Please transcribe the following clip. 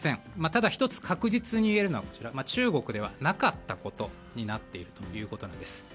ただ、１つ確実に言えるのは中国ではなかったことになっているということなんです。